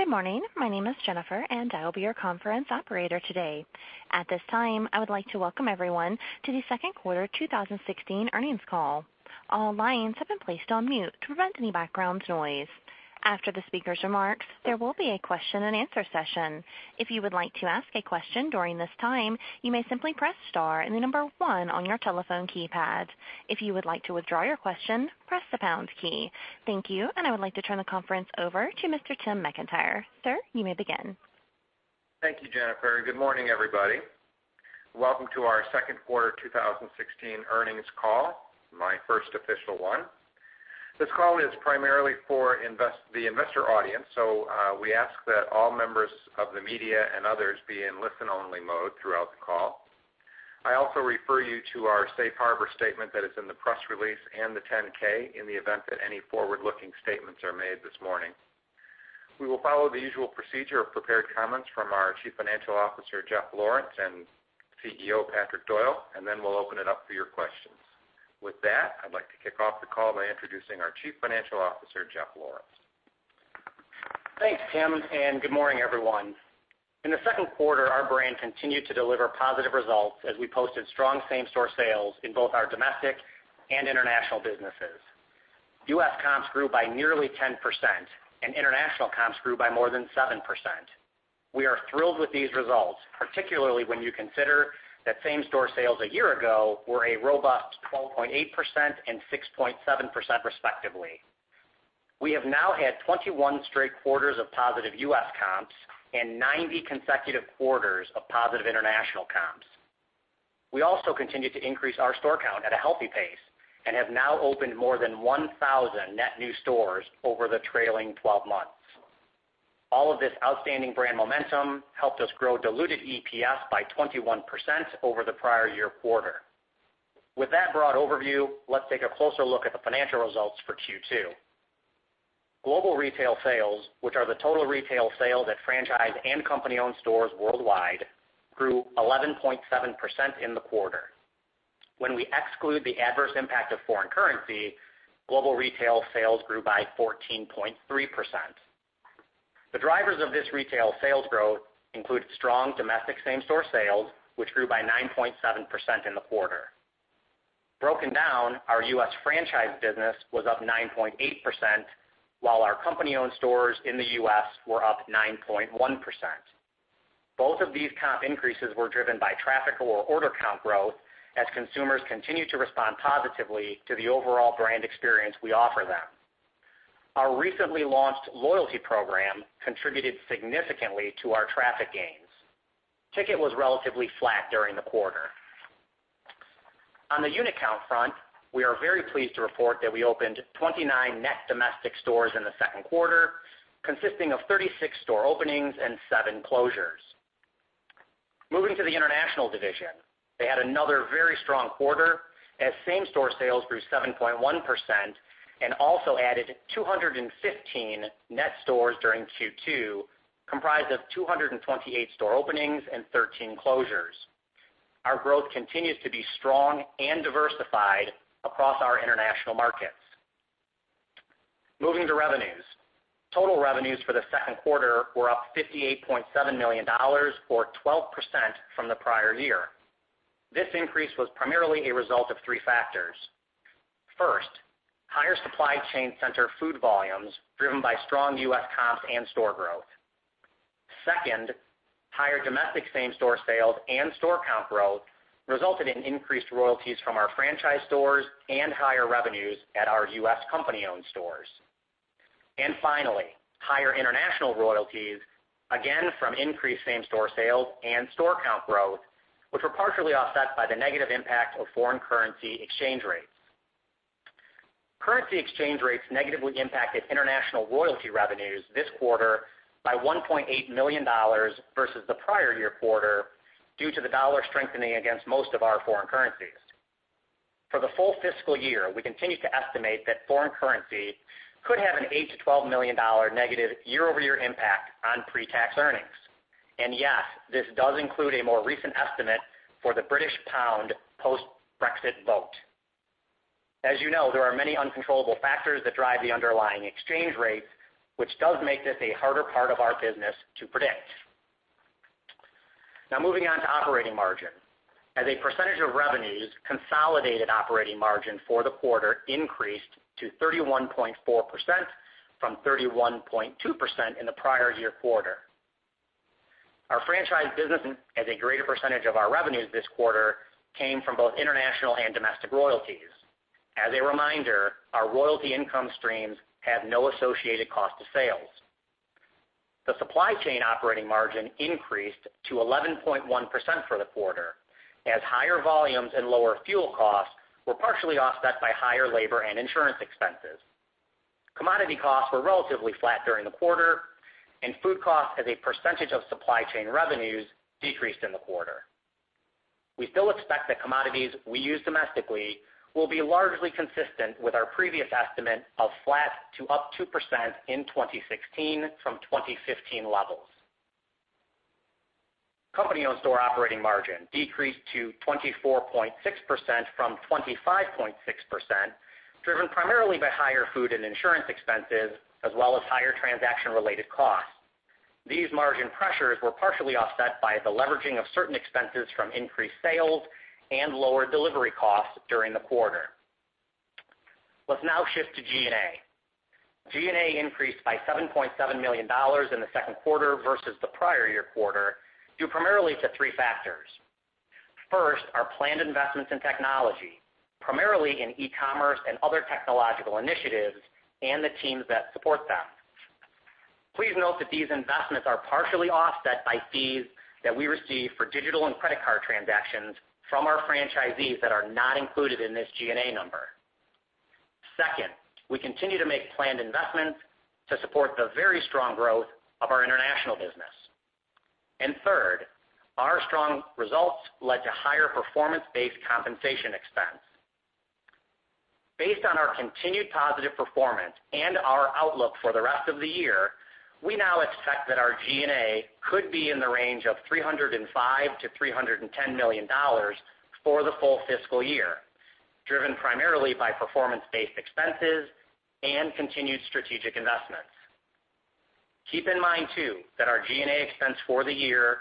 Good morning. My name is Jennifer, and I will be your conference operator today. At this time, I would like to welcome everyone to the second quarter 2016 earnings call. All lines have been placed on mute to prevent any background noise. After the speaker's remarks, there will be a question and answer session. If you would like to ask a question during this time, you may simply press star and the number one on your telephone keypad. If you would like to withdraw your question, press the pound key. Thank you, and I would like to turn the conference over to Mr. Tim McIntyre. Sir, you may begin. Thank you, Jennifer. Good morning, everybody. Welcome to our second quarter 2016 earnings call, my first official one. This call is primarily for the investor audience, so we ask that all members of the media and others be in listen-only mode throughout the call. I also refer you to our safe harbor statement that is in the press release and the 10-K in the event that any forward-looking statements are made this morning. We will follow the usual procedure of prepared comments from our Chief Financial Officer, Jeff Lawrence, and CEO, Patrick Doyle, and then we'll open it up for your questions. With that, I'd like to kick off the call by introducing our Chief Financial Officer, Jeff Lawrence. Thanks, Tim, and good morning, everyone. In the second quarter, our brand continued to deliver positive results as we posted strong same-store sales in both our domestic and international businesses. U.S. comps grew by nearly 10%, and international comps grew by more than 7%. We are thrilled with these results, particularly when you consider that same-store sales a year ago were a robust 12.8% and 6.7%, respectively. We have now had 21 straight quarters of positive U.S. comps and 90 consecutive quarters of positive international comps. We also continued to increase our store count at a healthy pace and have now opened more than 1,000 net new stores over the trailing 12 months. All of this outstanding brand momentum helped us grow diluted EPS by 21% over the prior year quarter. With that broad overview, let's take a closer look at the financial results for Q2. Global retail sales, which are the total retail sales at franchise and company-owned stores worldwide, grew 11.7% in the quarter. When we exclude the adverse impact of foreign currency, global retail sales grew by 14.3%. The drivers of this retail sales growth include strong domestic same-store sales, which grew by 9.7% in the quarter. Broken down, our U.S. franchise business was up 9.8%, while our company-owned stores in the U.S. were up 9.1%. Both of these comp increases were driven by traffic or order count growth as consumers continued to respond positively to the overall brand experience we offer them. Our recently launched loyalty program contributed significantly to our traffic gains. Ticket was relatively flat during the quarter. On the unit count front, we are very pleased to report that we opened 29 net domestic stores in the second quarter, consisting of 36 store openings and seven closures. Moving to the international division, they had another very strong quarter as same-store sales grew 7.1% and also added 215 net stores during Q2, comprised of 228 store openings and 13 closures. Our growth continues to be strong and diversified across our international markets. Moving to revenues. Total revenues for the second quarter were up $58.7 million, or 12% from the prior year. This increase was primarily a result of three factors. First, higher supply chain center food volumes driven by strong U.S. comps and store growth. Second, higher domestic same-store sales and store count growth resulted in increased royalties from our franchise stores and higher revenues at our U.S. company-owned stores. Finally, higher international royalties, again from increased same-store sales and store count growth, which were partially offset by the negative impact of foreign currency exchange rates. Currency exchange rates negatively impacted international royalty revenues this quarter by $1.8 million versus the prior year quarter due to the dollar strengthening against most of our foreign currencies. For the full fiscal year, we continue to estimate that foreign currency could have an $8 million-$12 million negative year-over-year impact on pre-tax earnings. Yes, this does include a more recent estimate for the British pound post-Brexit vote. As you know, there are many uncontrollable factors that drive the underlying exchange rates, which does make this a harder part of our business to predict. Moving on to operating margin. As a percentage of revenues, consolidated operating margin for the quarter increased to 31.4% from 31.2% in the prior year quarter. Our franchise business as a greater percentage of our revenues this quarter came from both international and domestic royalties. As a reminder, our royalty income streams have no associated cost of sales. The supply chain operating margin increased to 11.1% for the quarter as higher volumes and lower fuel costs were partially offset by higher labor and insurance expenses. Commodity costs were relatively flat during the quarter, and food costs as a percentage of supply chain revenues decreased in the quarter. We still expect that commodities we use domestically will be largely consistent with our previous estimate of flat to up 2% in 2016 from 2015 levels. Company-owned store operating margin decreased to 24.6% from 25.6%, driven primarily by higher food and insurance expenses, as well as higher transaction-related costs. These margin pressures were partially offset by the leveraging of certain expenses from increased sales and lower delivery costs during the quarter. Let's shift to G&A. G&A increased by $7.7 million in the second quarter versus the prior year quarter, due primarily to three factors. First, our planned investments in technology, primarily in e-commerce and other technological initiatives, and the teams that support them. Please note that these investments are partially offset by fees that we receive for digital and credit card transactions from our franchisees that are not included in this G&A number. Second, we continue to make planned investments to support the very strong growth of our international business. Third, our strong results led to higher performance-based compensation expense. Based on our continued positive performance and our outlook for the rest of the year, we now expect that our G&A could be in the range of $305 million-$310 million for the full fiscal year, driven primarily by performance-based expenses and continued strategic investments. Keep in mind too, that our G&A expense for the year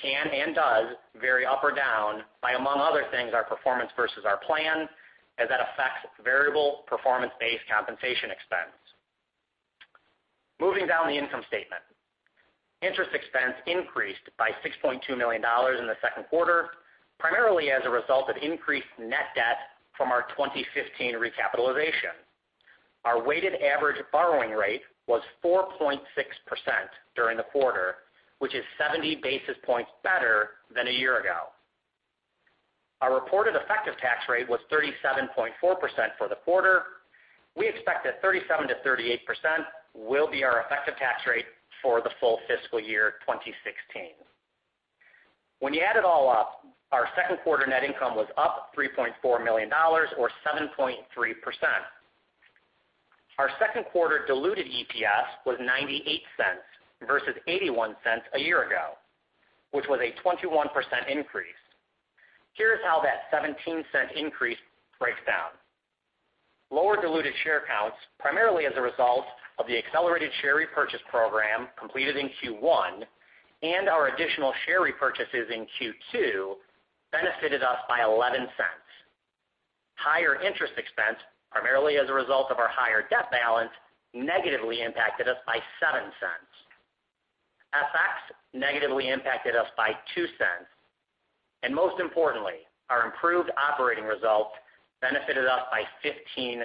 can, and does, vary up or down by, among other things, our performance versus our plan, as that affects variable performance-based compensation expense. Moving down the income statement. Interest expense increased by $6.2 million in the second quarter, primarily as a result of increased net debt from our 2015 recapitalization. Our weighted average borrowing rate was 4.6% during the quarter, which is 70 basis points better than a year ago. Our reported effective tax rate was 37.4% for the quarter. We expect that 37%-38% will be our effective tax rate for the full fiscal year 2016. When you add it all up, our second quarter net income was up $3.4 million, or 7.3%. Our second quarter diluted EPS was $0.98 versus $0.81 a year ago, which was a 21% increase. Here's how that $0.17 increase breaks down. Lower diluted share counts, primarily as a result of the accelerated share repurchase program completed in Q1, and our additional share repurchases in Q2, benefited us by $0.11. Higher interest expense, primarily as a result of our higher debt balance, negatively impacted us by $0.07. FX negatively impacted us by $0.02. Most importantly, our improved operating results benefited us by $0.15.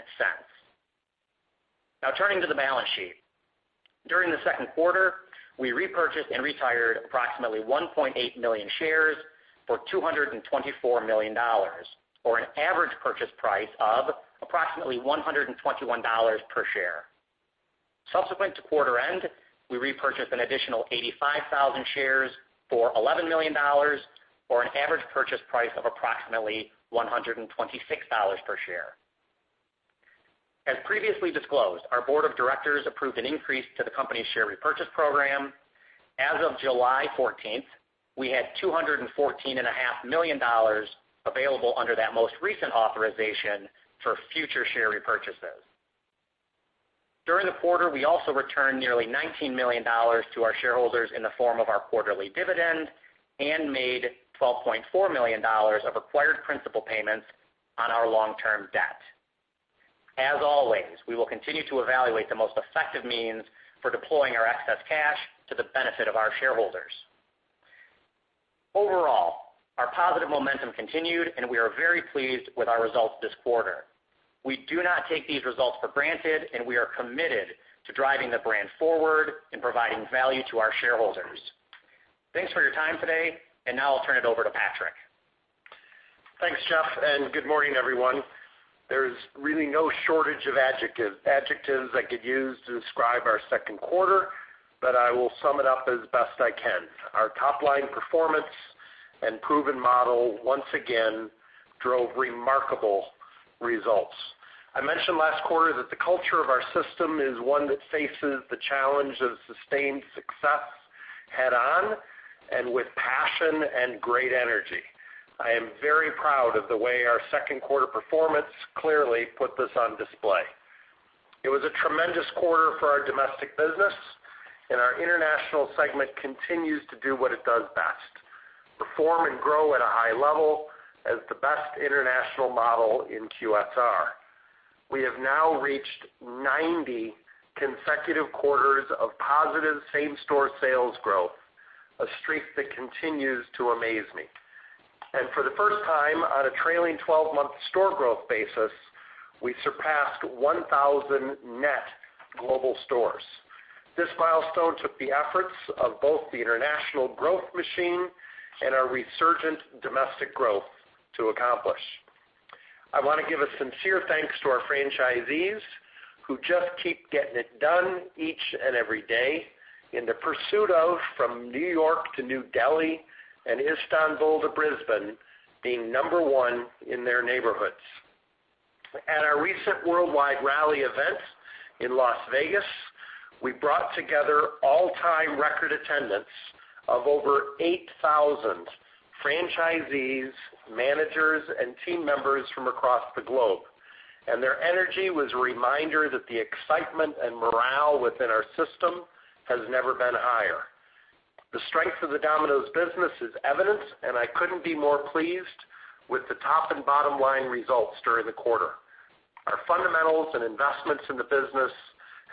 Now turning to the balance sheet. During the second quarter, we repurchased and retired approximately 1.8 million shares for $224 million, or an average purchase price of approximately $121 per share. Subsequent to quarter end, we repurchased an additional 85,000 shares for $11 million, or an average purchase price of approximately $126 per share. As previously disclosed, our board of directors approved an increase to the company's share repurchase program. As of July 14th, we had $214.5 million available under that most recent authorization for future share repurchases. During the quarter, we also returned nearly $19 million to our shareholders in the form of our quarterly dividend and made $12.4 million of acquired principal payments on our long-term debt. As always, we will continue to evaluate the most effective means for deploying our excess cash to the benefit of our shareholders. Overall, our positive momentum continued, and we are very pleased with our results this quarter. We do not take these results for granted, and we are committed to driving the brand forward and providing value to our shareholders. Thanks for your time today. Now I'll turn it over to Patrick. Thanks, Jeff. Good morning, everyone. There's really no shortage of adjectives I could use to describe our second quarter. I will sum it up as best I can. Our top-line performance and proven model once again drove remarkable results. I mentioned last quarter that the culture of our system is one that faces the challenge of sustained success head-on and with passion and great energy. I am very proud of the way our second quarter performance clearly put this on display. It was a tremendous quarter for our domestic business, and our international segment continues to do what it does best: perform and grow at a high level as the best international model in QSR. We have now reached 90 consecutive quarters of positive same-store sales growth, a streak that continues to amaze me. For the first time on a trailing 12-month store growth basis, we surpassed 1,000 net global stores. This milestone took the efforts of both the international growth machine and our resurgent domestic growth to accomplish. I want to give a sincere thanks to our franchisees, who just keep getting it done each and every day in the pursuit of, from New York to New Delhi and Istanbul to Brisbane, being number one in their neighborhoods. At our recent worldwide rally event in Las Vegas, we brought together all-time record attendance of over 8,000 franchisees, managers, and team members from across the globe, and their energy was a reminder that the excitement and morale within our system has never been higher. The strength of the Domino's business is evident, and I couldn't be more pleased with the top and bottom line results during the quarter. Our fundamentals and investments in the business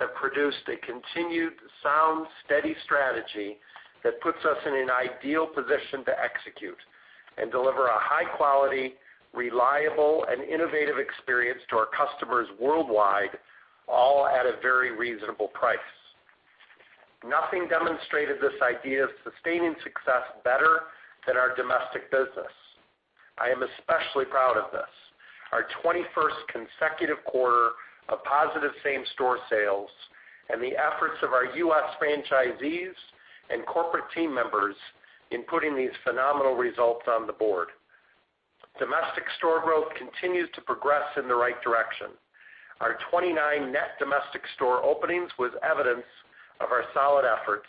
have produced a continued sound, steady strategy that puts us in an ideal position to execute and deliver a high-quality, reliable, and innovative experience to our customers worldwide, all at a very reasonable price. Nothing demonstrated this idea of sustaining success better than our domestic business. I am especially proud of this, our 21st consecutive quarter of positive same-store sales, and the efforts of our U.S. franchisees and corporate team members in putting these phenomenal results on the board. Domestic store growth continues to progress in the right direction. Our 29 net domestic store openings was evidence of our solid efforts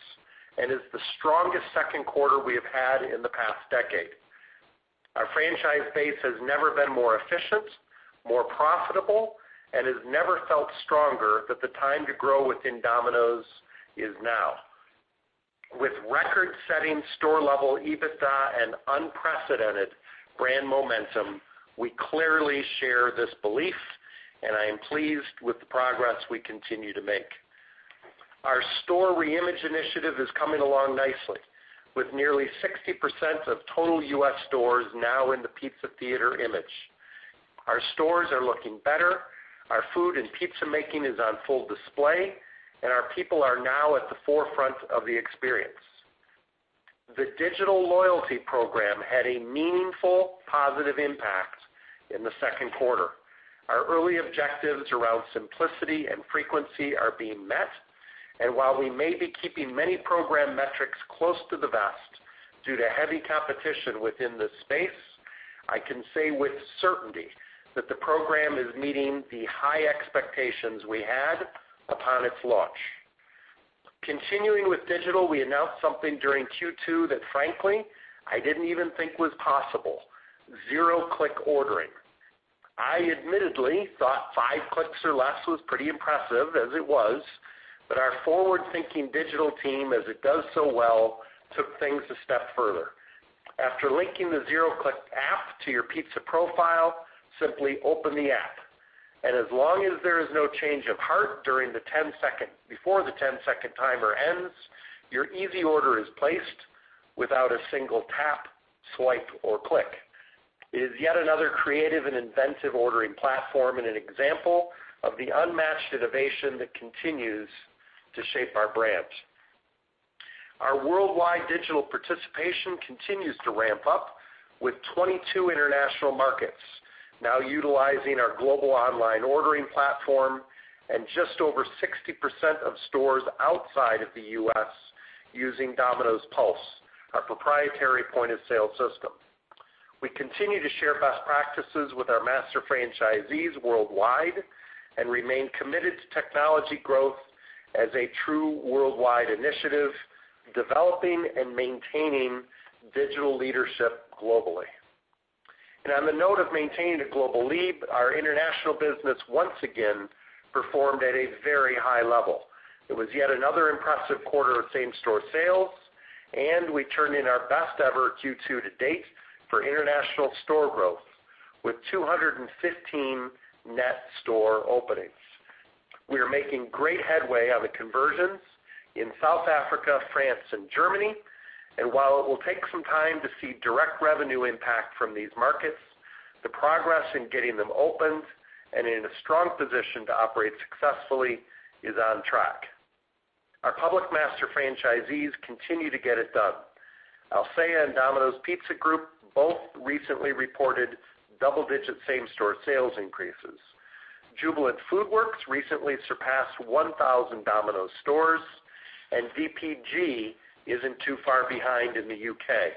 and is the strongest second quarter we have had in the past decade. Our franchise base has never been more efficient, more profitable, and has never felt stronger that the time to grow within Domino's is now. With record-setting store-level EBITDA and unprecedented brand momentum, we clearly share this belief, and I am pleased with the progress we continue to make. Our store reimage initiative is coming along nicely. With nearly 60% of total U.S. stores now in the Pizza Theater image. Our stores are looking better, our food and pizza making is on full display, and our people are now at the forefront of the experience. The digital loyalty program had a meaningful positive impact in the second quarter. Our early objectives around simplicity and frequency are being met, and while we may be keeping many program metrics close to the vest due to heavy competition within this space, I can say with certainty that the program is meeting the high expectations we had upon its launch. Continuing with digital, we announced something during Q2 that frankly, I didn't even think was possible: Zero-Click Ordering. I admittedly thought five clicks or less was pretty impressive as it was, our forward-thinking digital team, as it does so well, took things a step further. After linking the Zero-Click app to your pizza profile, simply open the app. As long as there is no change of heart before the 10-second timer ends, your easy order is placed without a single tap, swipe, or click. It is yet another creative and inventive ordering platform and an example of the unmatched innovation that continues to shape our brand. Our worldwide digital participation continues to ramp up with 22 international markets now utilizing our global online ordering platform and just over 60% of stores outside of the U.S. using Domino's PULSE, our proprietary point-of-sale system. We continue to share best practices with our master franchisees worldwide and remain committed to technology growth as a true worldwide initiative, developing and maintaining digital leadership globally. On the note of maintaining a global lead, our international business once again performed at a very high level. It was yet another impressive quarter of same-store sales, and we turned in our best ever Q2 to date for international store growth with 215 net store openings. We are making great headway on the conversions in South Africa, France, and Germany, and while it will take some time to see direct revenue impact from these markets, the progress in getting them opened and in a strong position to operate successfully is on track. Our public master franchisees continue to get it done. Alsea and Domino's Pizza Group both recently reported double-digit same-store sales increases. Jubilant FoodWorks recently surpassed 1,000 Domino's stores, and DPG isn't too far behind in the U.K.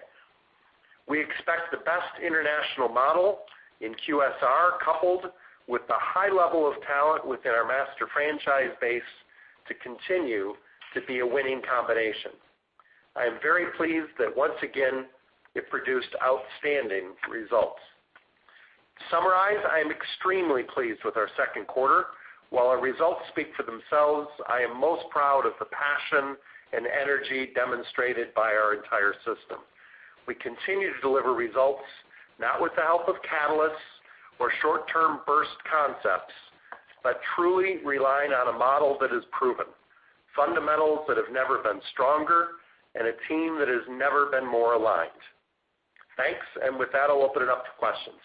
We expect the best international model in QSR, coupled with the high level of talent within our master franchise base, to continue to be a winning combination. I am very pleased that once again, it produced outstanding results. To summarize, I am extremely pleased with our second quarter. While our results speak for themselves, I am most proud of the passion and energy demonstrated by our entire system. We continue to deliver results, not with the help of catalysts or short-term burst concepts, but truly relying on a model that is proven, fundamentals that have never been stronger, and a team that has never been more aligned. Thanks. With that, I'll open it up to questions.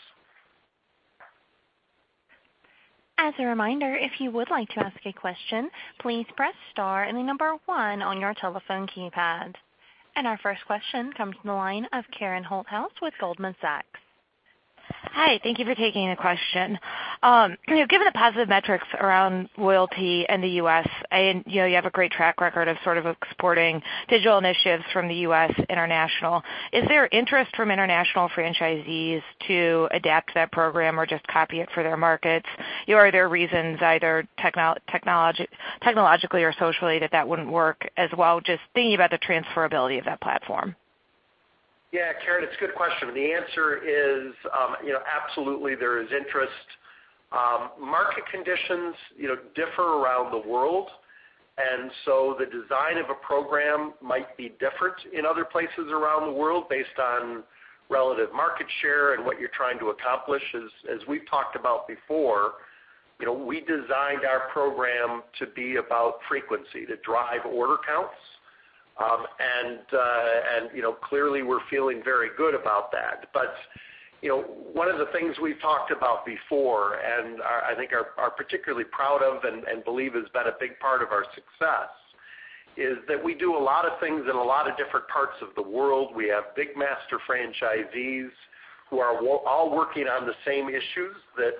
As a reminder, if you would like to ask a question, please press star and the number one on your telephone keypad. Our first question comes from the line of Karen Holthouse with Goldman Sachs. Hi, thank you for taking the question. Given the positive metrics around loyalty in the U.S., you have a great track record of exporting digital initiatives from the U.S. international. Is there interest from international franchisees to adapt that program or just copy it for their markets? Are there reasons either technologically or socially that wouldn't work as well? Just thinking about the transferability of that platform. Karen, it's a good question. The answer is absolutely, there is interest. Market conditions differ around the world, and so the design of a program might be different in other places around the world based on relative market share and what you're trying to accomplish. As we've talked about before, we designed our program to be about frequency, to drive order counts. Clearly we're feeling very good about that. One of the things we've talked about before, and I think are particularly proud of and believe has been a big part of our success, is that we do a lot of things in a lot of different parts of the world. We have big master franchisees who are all working on the same issues that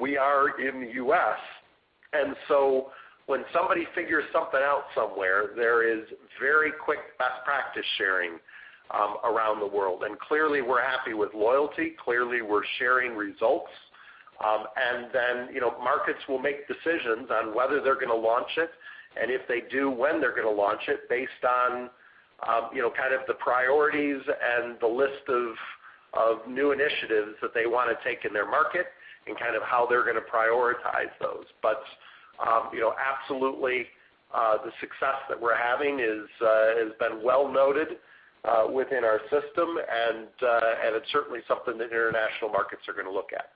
we are in the U.S. When somebody figures something out somewhere, there is very quick best practice sharing around the world. Clearly we're happy with loyalty. Clearly we're sharing results. Markets will make decisions on whether they're going to launch it, and if they do, when they're going to launch it based on the priorities and the list of new initiatives that they want to take in their market and how they're going to prioritize those. Absolutely, the success that we're having has been well noted within our system, and it's certainly something that international markets are going to look at.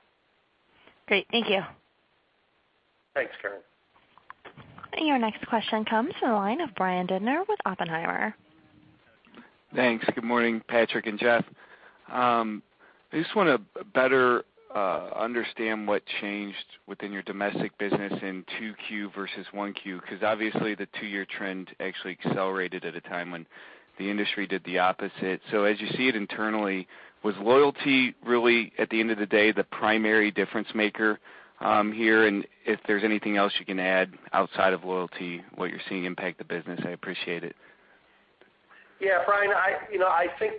Great. Thank you. Thanks, Karen. Your next question comes from the line of Brian Bittner with Oppenheimer. Thanks. Good morning, Patrick and Jeff. I just want to better understand what changed within your domestic business in 2Q versus 1Q, because obviously the two-year trend actually accelerated at a time when the industry did the opposite. As you see it internally, was loyalty really, at the end of the day, the primary difference maker here? If there's anything else you can add outside of loyalty, what you're seeing impact the business, I appreciate it. Yeah, Brian, I think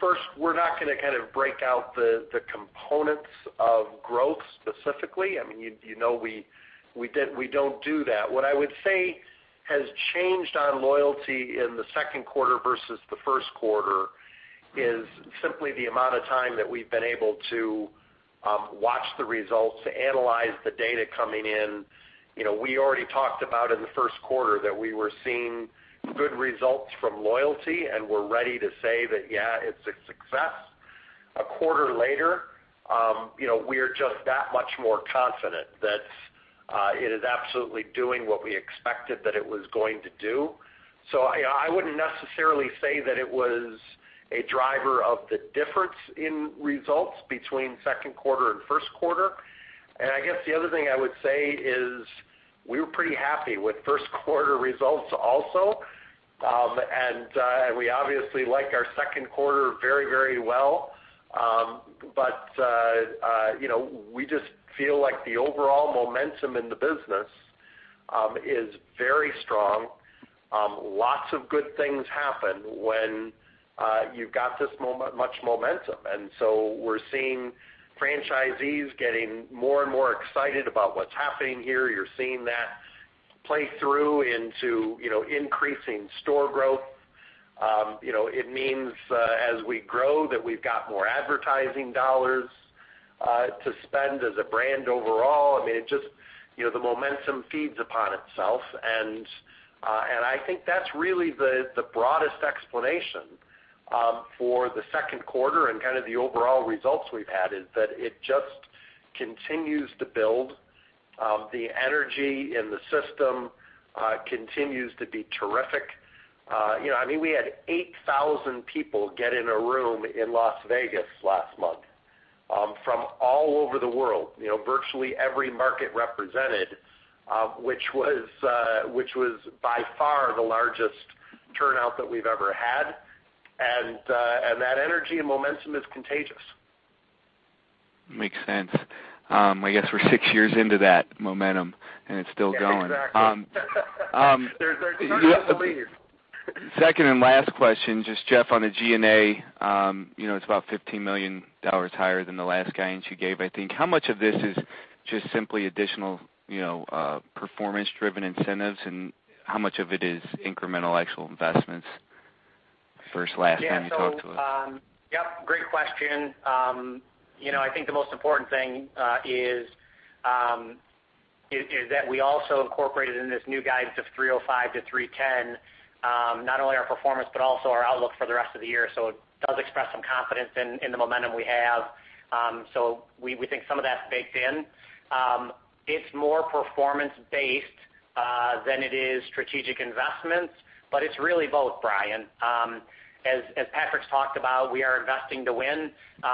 first, we're not going to break out the components of growth specifically. You know we don't do that. What I would say has changed on loyalty in the second quarter versus the first quarter is simply the amount of time that we've been able to watch the results, analyze the data coming in. We already talked about in the first quarter that we were seeing good results from loyalty, and we're ready to say that, yeah, it's a success. A quarter later, we're just that much more confident that it is absolutely doing what we expected that it was going to do. I wouldn't necessarily say that it was a driver of the difference in results between second quarter and first quarter. I guess the other thing I would say is we were pretty happy with first quarter results also. We obviously like our second quarter very well. We just feel like the overall momentum in the business is very strong. Lots of good things happen when you've got this much momentum. We're seeing franchisees getting more and more excited about what's happening here. You're seeing that play through into increasing store growth. It means as we grow that we've got more advertising dollars to spend as a brand overall. The momentum feeds upon itself, and I think that's really the broadest explanation for the second quarter and the overall results we've had, is that it just continues to build. The energy in the system continues to be terrific. We had 8,000 people get in a room in Las Vegas last month from all over the world, virtually every market represented, which was by far the largest turnout that we've ever had. that energy and momentum is contagious. Makes sense. I guess we're six years into that momentum, and it's still going. Yeah, exactly. There's nothing to believe. Second and last question, just Jeff on the G&A. It's about $15 million higher than the last guidance you gave, I think. How much of this is just simply additional performance-driven incentives, and how much of it is incremental actual investments versus last time you talked to us? Great question. I think the most important thing is that we also incorporated in this new guidance of 305-310, not only our performance, but also our outlook for the rest of the year. It does express some confidence in the momentum we have. We think some of that's baked in. It's more performance-based than it is strategic investments, but it's really both, Brian Bittner. As Patrick's talked about, we are investing to win.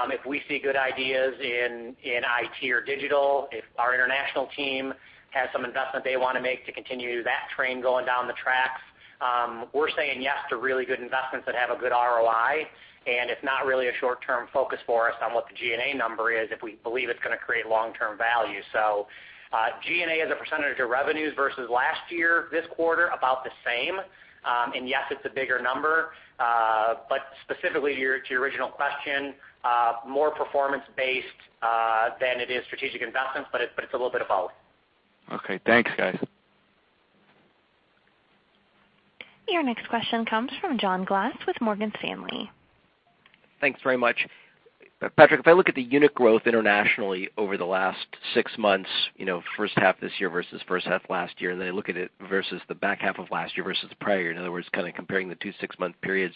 If we see good ideas in IT or digital, if our international team has some investment they want to make to continue that train going down the tracks, we're saying yes to really good investments that have a good ROI, and it's not really a short-term focus for us on what the G&A number is if we believe it's going to create long-term value. G&A as a percentage of revenues versus last year, this quarter, about the same. Yes, it's a bigger number. Specifically to your original question, more performance-based than it is strategic investments, but it's a little bit of both. Thanks, guys. Your next question comes from John Glass with Morgan Stanley. Thanks very much. Patrick, if I look at the unit growth internationally over the last 6 months, first half this year versus first half last year, then I look at it versus the back half of last year versus prior, in other words, kind of comparing the two 6-month periods,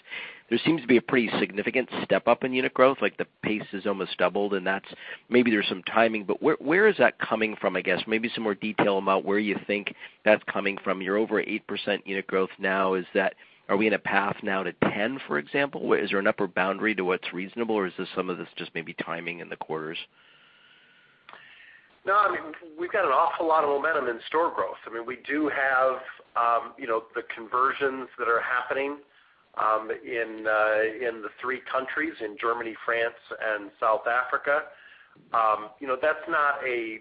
there seems to be a pretty significant step up in unit growth. Like the pace has almost doubled, and that's maybe there's some timing, but where is that coming from? I guess maybe some more detail about where you think that's coming from. You're over 8% unit growth now. Are we in a path now to 10%, for example? Is there an upper boundary to what's reasonable, or is some of this just maybe timing in the quarters? No, we've got an awful lot of momentum in store growth. We do have the conversions that are happening in the three countries, in Germany, France, and South Africa. That's not a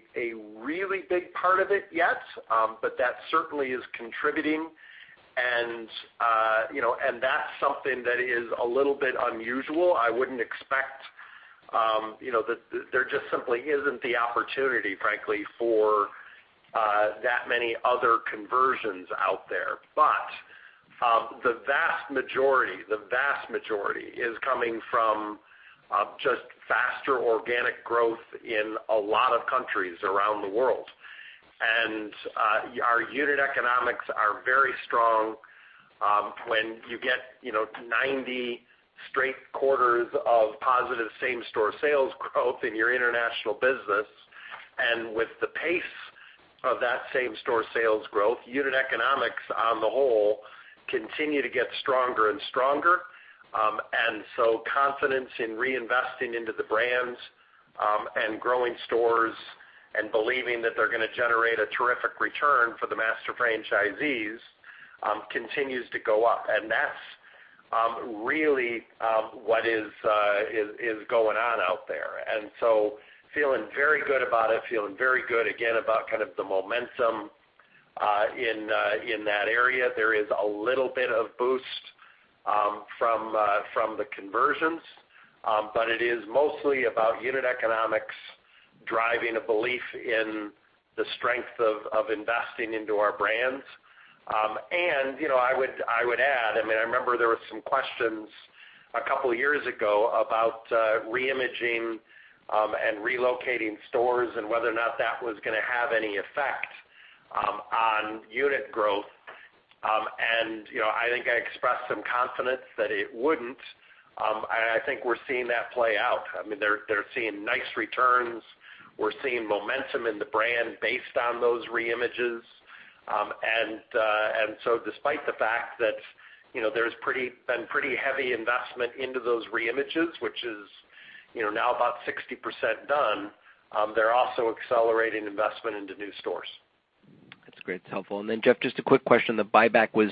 really big part of it yet. That certainly is contributing, and that's something that is a little bit unusual. I wouldn't expect that there just simply isn't the opportunity, frankly, for that many other conversions out there. The vast majority is coming from just faster organic growth in a lot of countries around the world. Our unit economics are very strong when you get 90 straight quarters of positive same-store sales growth in your international business. With the pace of that same-store sales growth, unit economics on the whole continue to get stronger and stronger. Confidence in reinvesting into the brands and growing stores and believing that they're going to generate a terrific return for the master franchisees continues to go up. That's really what is going on out there. Feeling very good about it, feeling very good, again, about kind of the momentum in that area. There is a little bit of boost from the conversions. It is mostly about unit economics driving a belief in the strength of investing into our brands. I would add, I remember there were some questions a couple of years ago about reimaging and relocating stores and whether or not that was going to have any effect on unit growth. I think I expressed some confidence that it wouldn't. I think we're seeing that play out. They're seeing nice returns. We're seeing momentum in the brand based on those reimages. Despite the fact that there's been pretty heavy investment into those reimages, which is now about 60% done, they're also accelerating investment into new stores. That's great. That's helpful. Jeff, just a quick question. The buyback was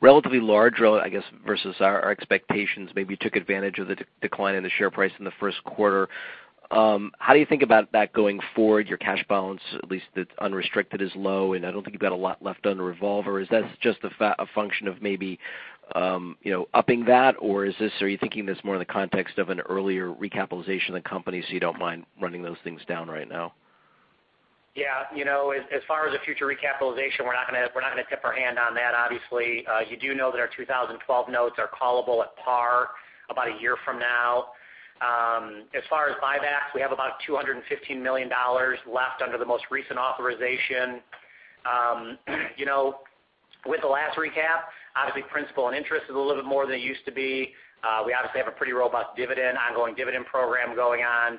relatively large, I guess, versus our expectations, maybe took advantage of the decline in the share price in the first quarter. How do you think about that going forward? Your cash balance, at least that's unrestricted, is low, and I don't think you've got a lot left on the revolver. Is that just a function of maybe upping that, or are you thinking this more in the context of an earlier recapitalization of the company, so you don't mind running those things down right now? Yeah. As far as the future recapitalization, we're not going to tip our hand on that, obviously. You do know that our 2012 notes are callable at par about a year from now. As far as buybacks, we have about $215 million left under the most recent authorization. With the last recap, obviously, principal and interest is a little bit more than it used to be. We obviously have a pretty robust dividend, ongoing dividend program going on.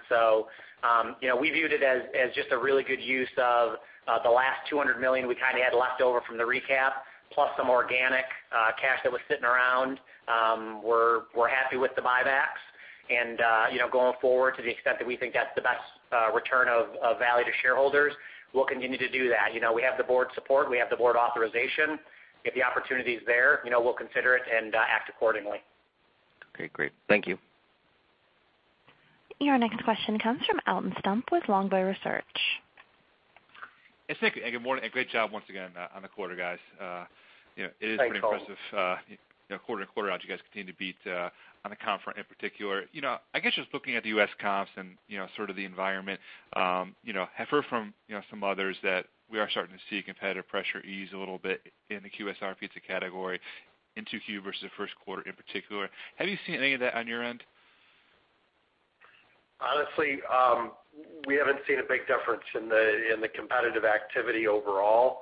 We viewed it as just a really good use of the last $200 million we kind of had left over from the recap, plus some organic cash that was sitting around. We're happy with the buybacks. Going forward to the extent that we think that's the best return of value to shareholders, we'll continue to do that. We have the board support. We have the board authorization. If the opportunity is there, we'll consider it and act accordingly. Okay, great. Thank you. Your next question comes from Alton Stump with Longbow Research. Hey, thank you, and good morning, and great job once again on the quarter, guys. Thanks, Alton. It is pretty impressive. Quarter in, quarter out, you guys continue to beat on the comp front in particular. I guess just looking at the U.S. comps and sort of the environment, I've heard from some others that we are starting to see competitive pressure ease a little bit in the QSR pizza category in 2Q versus the first quarter in particular. Have you seen any of that on your end? Honestly, we haven't seen a big difference in the competitive activity overall.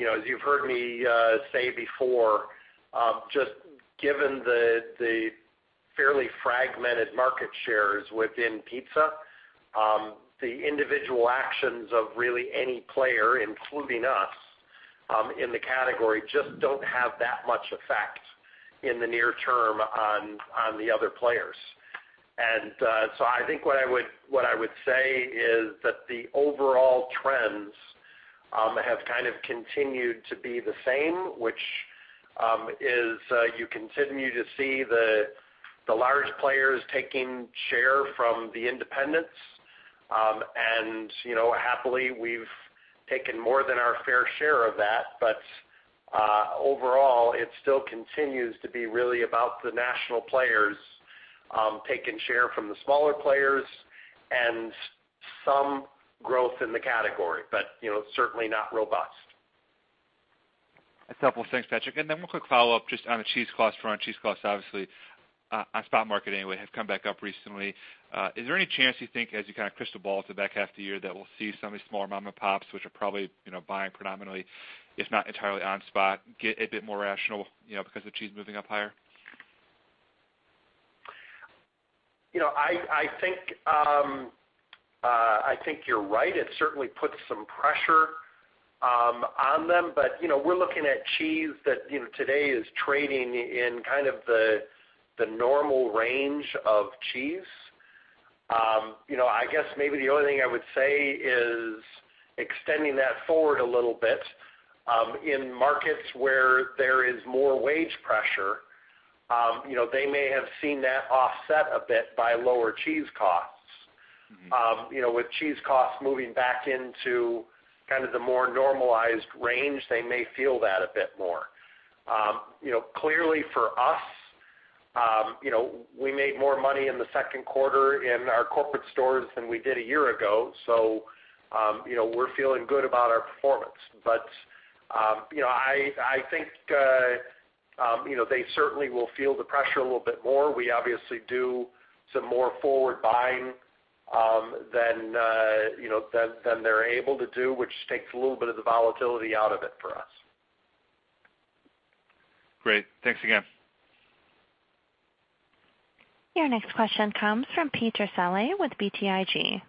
As you've heard me say before, just given the fairly fragmented market shares within pizza, the individual actions of really any player, including us, in the category just don't have that much effect in the near term on the other players. I think what I would say is that the overall trends have kind of continued to be the same, which is you continue to see the large players taking share from the independents. Happily, we've taken more than our fair share of that. Overall, it still continues to be really about the national players taking share from the smaller players and some growth in the category, but certainly not robust. That's helpful. Thanks, Patrick. One quick follow-up just on the cheese cost front. Cheese costs, obviously, on spot market anyway, have come back up recently. Is there any chance you think as you kind of crystal ball to the back half of the year, that we'll see some of these smaller mom-and-pops, which are probably buying predominantly, if not entirely, on spot, get a bit more rational, because the cheese moving up higher? I think you're right. It certainly puts some pressure on them. We're looking at cheese that today is trading in kind of the normal range of cheese. I guess maybe the only thing I would say is extending that forward a little bit. In markets where there is more wage pressure, they may have seen that offset a bit by lower cheese costs. With cheese costs moving back into kind of the more normalized range, they may feel that a bit more. Clearly for us, we made more money in the second quarter in our corporate stores than we did a year ago, so we're feeling good about our performance. I think they certainly will feel the pressure a little bit more. We obviously do some more forward buying than they're able to do, which takes a little bit of the volatility out of it for us. Great. Thanks again. Your next question comes from Peter Saleh with BTIG.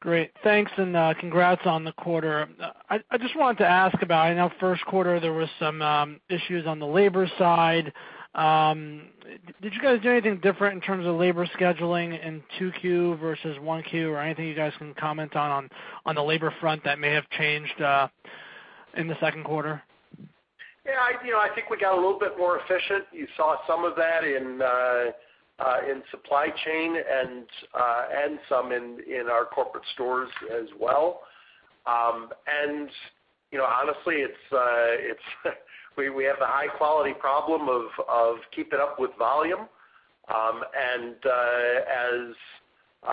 Great. Thanks. Congrats on the quarter. I just wanted to ask about, I know first quarter there was some issues on the labor side. Did you guys do anything different in terms of labor scheduling in 2Q versus 1Q or anything you guys can comment on the labor front that may have changed in the second quarter? Yeah. I think we got a little bit more efficient. You saw some of that in supply chain and some in our corporate stores as well. Honestly, we have a high quality problem of keeping up with volume.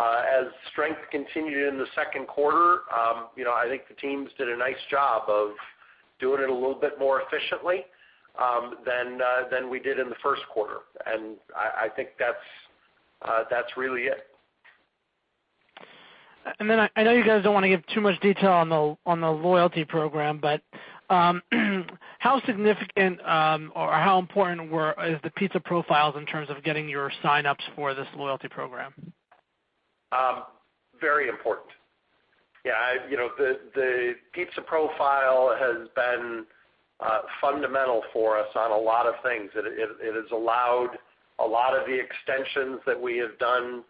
As strength continued in the second quarter, I think the teams did a nice job of doing it a little bit more efficiently than we did in the first quarter. I think that's really it. I know you guys don't want to give too much detail on the loyalty program, but how significant, or how important is the pizza profiles in terms of getting your sign-ups for this loyalty program? Very important. Yeah. The pizza profile has been fundamental for us on a lot of things. It has allowed a lot of the extensions that we have done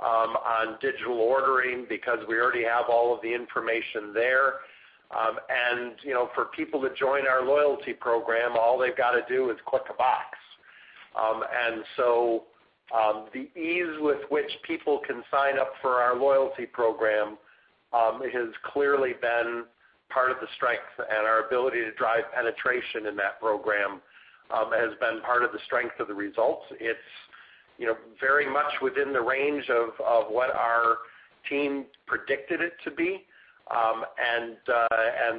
on digital ordering because we already have all of the information there. For people to join our loyalty program, all they've got to do is click a box. The ease with which people can sign up for our loyalty program has clearly been part of the strength, and our ability to drive penetration in that program has been part of the strength of the results. It's very much within the range of what our team predicted it to be.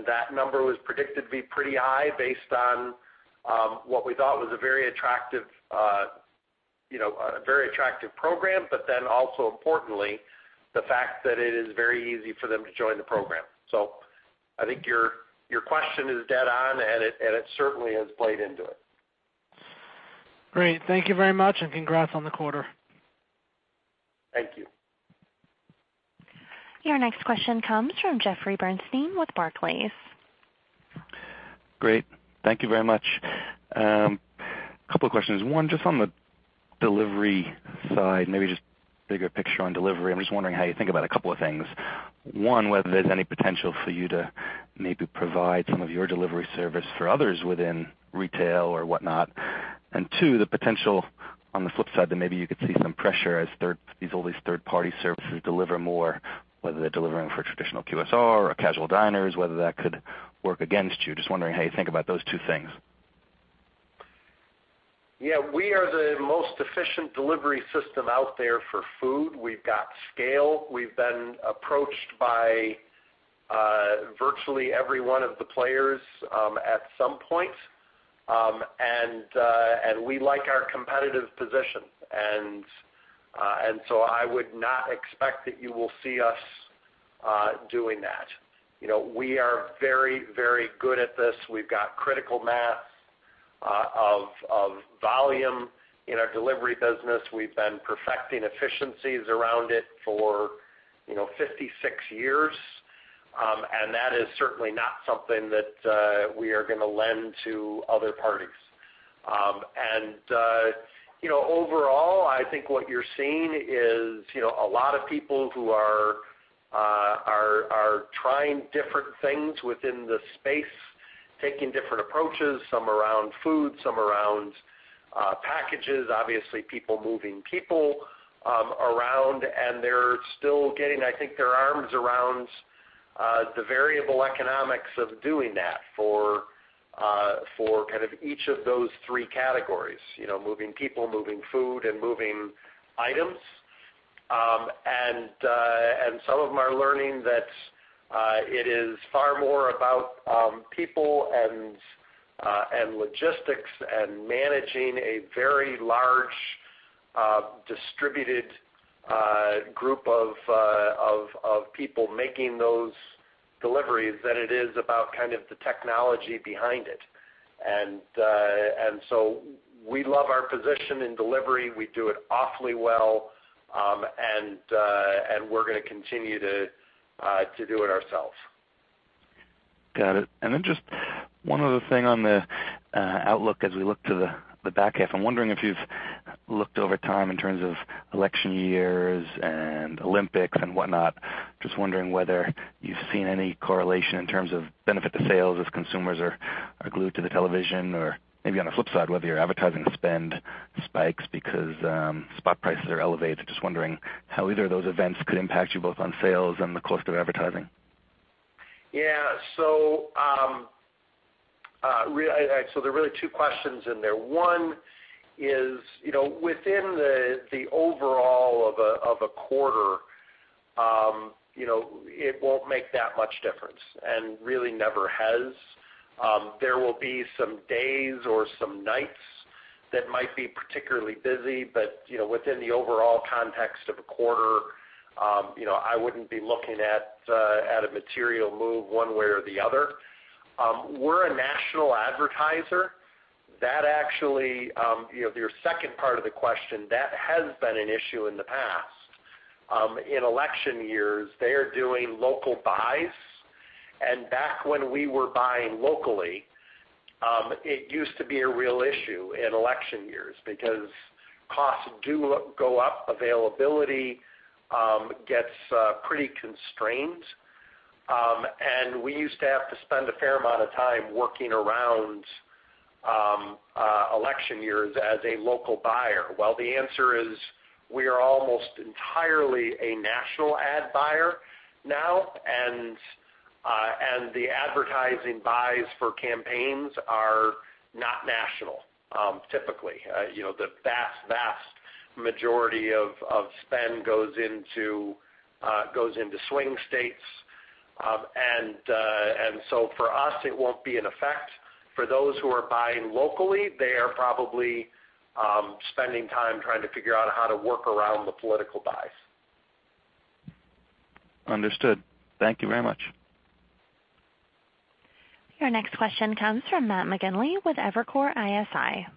That number was predicted to be pretty high based on what we thought was a very attractive program, also importantly, the fact that it is very easy for them to join the program. I think your question is dead on, and it certainly has played into it. Great. Thank you very much, and congrats on the quarter. Thank you. Your next question comes from Jeffrey Bernstein with Barclays. Great. Thank you very much. Couple of questions. One, just on the delivery side, maybe just bigger picture on delivery. I'm just wondering how you think about a couple of things. One, whether there's any potential for you to maybe provide some of your delivery service for others within retail or whatnot. Two, the potential on the flip side that maybe you could see some pressure as all these third-party services deliver more, whether they're delivering for traditional QSR or casual diners, whether that could work against you. Just wondering how you think about those two things. Yeah. We are the most efficient delivery system out there for food. We've got scale. We've been approached by virtually every one of the players at some point. We like our competitive position. So I would not expect that you will see us doing that. We are very good at this. We've got critical mass of volume in our delivery business. We've been perfecting efficiencies around it for 56 years. That is certainly not something that we are going to lend to other parties. Overall I think what you're seeing is a lot of people who are trying different things within the space, taking different approaches, some around food, some around packages, obviously people moving people around, and they're still getting, I think, their arms around the variable economics of doing that for each of those three categories, moving people, moving food and moving items. Some of them are learning that it is far more about people and logistics and managing a very large distributed group of people making those deliveries than it is about the technology behind it. We love our position in delivery. We do it awfully well, and we're going to continue to do it ourselves. Got it. Just one other thing on the outlook as we look to the back half. I'm wondering if you've looked over time in terms of election years and Olympics and whatnot. Just wondering whether you've seen any correlation in terms of benefit to sales as consumers are glued to the television or maybe on the flip side, whether your advertising spend spikes because spot prices are elevated. Just wondering how either of those events could impact you both on sales and the cost of advertising. Yeah. There are really two questions in there. One is, within the overall of a quarter, it won't make that much difference and really never has. There will be some days or some nights that might be particularly busy, but within the overall context of a quarter, I wouldn't be looking at a material move one way or the other. We're a national advertiser. Your second part of the question, that has been an issue in the past. In election years, they are doing local buys, and back when we were buying locally, it used to be a real issue in election years because costs do go up, availability gets pretty constrained. We used to have to spend a fair amount of time working around election years as a local buyer. Well, the answer is we are almost entirely a national ad buyer now, and the advertising buys for campaigns are not national, typically. The vast majority of spend goes into swing states. For us, it won't be an effect. For those who are buying locally, they are probably spending time trying to figure out how to work around the political buys. Understood. Thank you very much. Your next question comes from Matthew McGinley with Evercore ISI.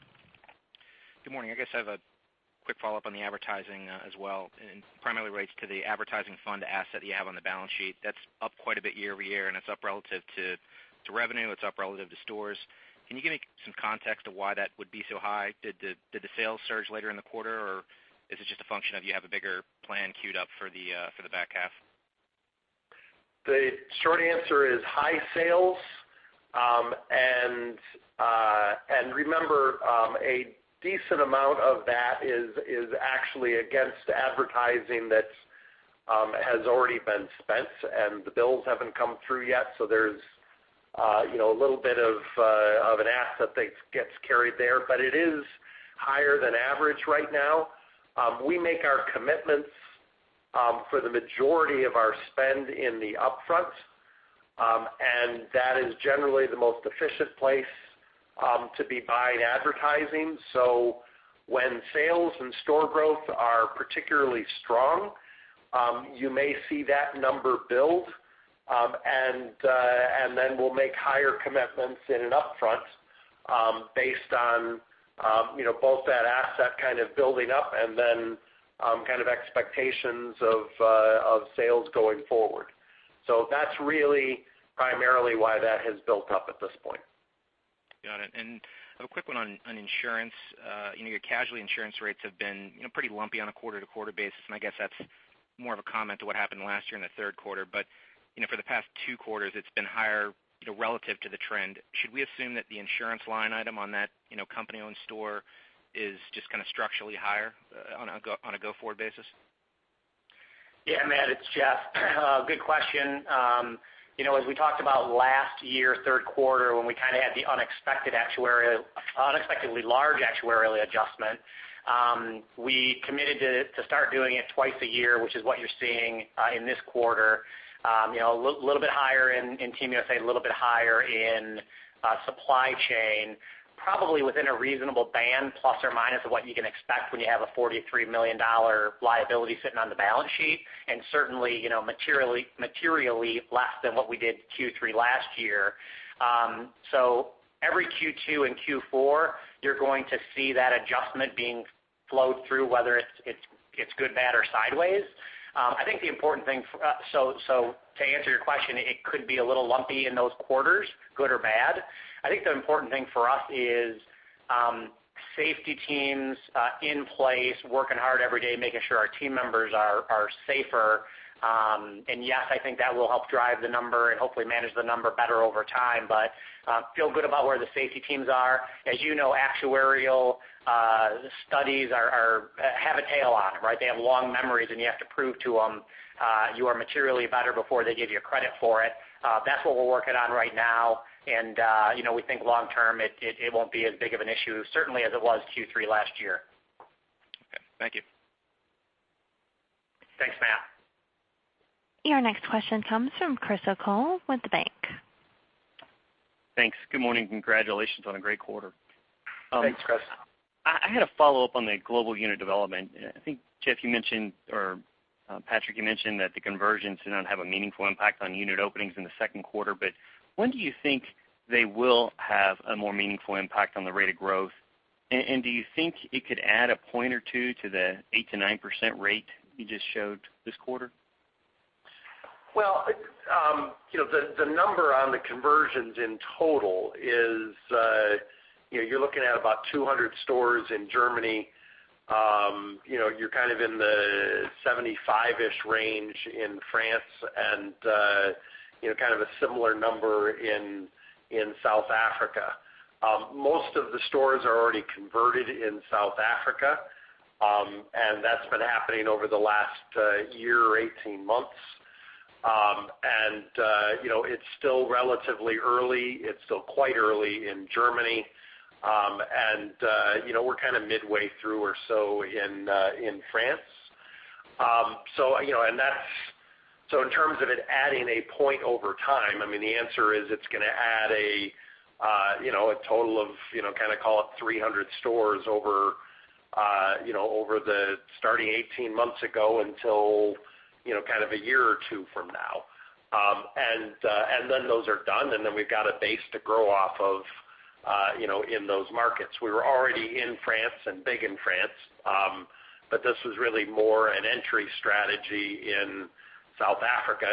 Good morning. I guess I have a quick follow-up on the advertising as well. It primarily relates to the advertising fund asset you have on the balance sheet. That's up quite a bit year-over-year. It's up relative to revenue. It's up relative to stores. Can you give me some context of why that would be so high? Did the sales surge later in the quarter, or is it just a function of you have a bigger plan queued up for the back half? The short answer is high sales. Remember, a decent amount of that is actually against advertising that has already been spent and the bills haven't come through yet. There's a little bit of an asset that gets carried there, but it is higher than average right now. We make our commitments for the majority of our spend in the upfront. That is generally the most efficient place to be buying advertising. When sales and store growth are particularly strong, you may see that number build. We'll make higher commitments in an upfront based on both that asset building up and then expectations of sales going forward. That's really primarily why that has built up at this point. Got it. A quick one on insurance. Your casualty insurance rates have been pretty lumpy on a quarter-to-quarter basis, and I guess that's more of a comment to what happened last year in the third quarter. For the past two quarters, it's been higher relative to the trend. Should we assume that the insurance line item on that company-owned store is just structurally higher on a go-forward basis? Yeah, Matt, it's Jeff. Good question. As we talked about last year, third quarter, when we had the unexpectedly large actuarial adjustment, we committed to start doing it twice a year, which is what you're seeing in this quarter. A little bit higher in Team USA, a little bit higher in supply chain, probably within a reasonable band plus or minus of what you can expect when you have a $43 million liability sitting on the balance sheet, and certainly materially less than what we did Q3 last year. Every Q2 and Q4, you're going to see that adjustment being flowed through, whether it's good, bad, or sideways. To answer your question, it could be a little lumpy in those quarters, good or bad. I think the important thing for us is Safety teams in place, working hard every day, making sure our team members are safer. Yes, I think that will help drive the number and hopefully manage the number better over time, but feel good about where the safety teams are. As you know, actuarial studies have a tail on them. They have long memories, and you have to prove to them you are materially better before they give you credit for it. That's what we're working on right now, and we think long term, it won't be as big of an issue, certainly as it was Q3 last year. Okay. Thank you. Thanks, Matt. Your next question comes from Christopher O'Cull with KeyBanc. Thanks. Good morning. Congratulations on a great quarter. Thanks, Chris. I had a follow-up on the global unit development. I think, Jeff, you mentioned, or Patrick, you mentioned that the conversions do not have a meaningful impact on unit openings in the second quarter, but when do you think they will have a more meaningful impact on the rate of growth? Do you think it could add a point or two to the 8% to 9% rate you just showed this quarter? Well, the number on the conversions in total is you're looking at about 200 stores in Germany. You're kind of in the 75-ish range in France and kind of a similar number in South Africa. Most of the stores are already converted in South Africa, and that's been happening over the last year or 18 months. It's still relatively early, it's still quite early in Germany. We're kind of midway through or so in France. In terms of it adding a point over time, the answer is it's going to add a total of kind of call it 300 stores over the starting 18 months ago until kind of a year or two from now. Then those are done, and then we've got a base to grow off of in those markets. We were already in France and big in France. This was really more an entry strategy in South Africa.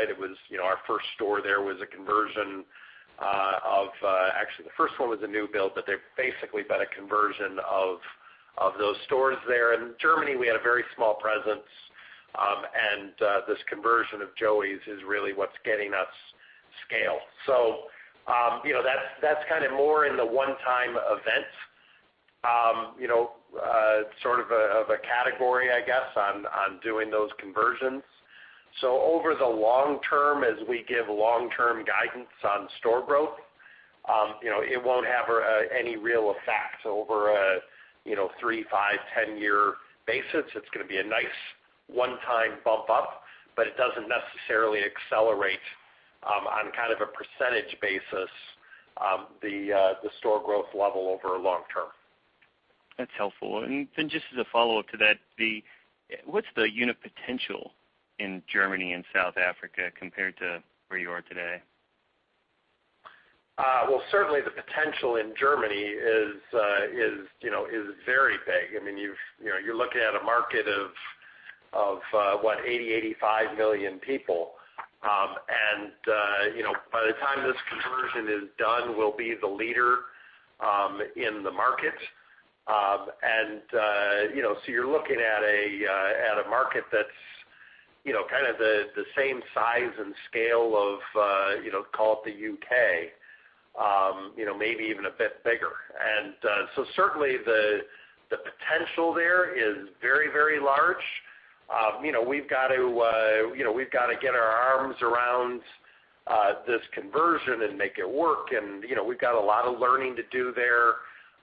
Our first store there was a conversion of actually, the first one was a new build, but they've basically been a conversion of those stores there. In Germany, we had a very small presence, and this conversion of Joey's is really what's getting us scale. That's kind of more in the one-time event sort of a category, I guess, on doing those conversions. Over the long term, as we give long-term guidance on store growth, it won't have any real effect over a three, five, 10-year basis. It's going to be a nice one-time bump up, but it doesn't necessarily accelerate on kind of a percentage basis, the store growth level over long term. That's helpful. Just as a follow-up to that, what's the unit potential in Germany and South Africa compared to where you are today? Well, certainly the potential in Germany is very big. You're looking at a market of, what, 80, 85 million people. By the time this conversion is done, we'll be the leader in the market. You're looking at a market that's kind of the same size and scale of, call it the U.K., maybe even a bit bigger. Certainly the potential there is very, very large. We've got to get our arms around this conversion and make it work, and we've got a lot of learning to do there.